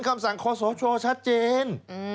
คำสั่งคอสชชัดเจน